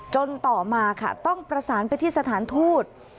ต่อมาค่ะต้องประสานไปที่สถานทูต